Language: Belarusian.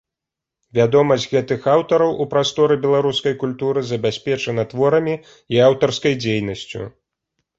Вядомасць гэтых аўтараў у прасторы беларускай культуры забяспечана творамі і аўтарскай дзейнасцю.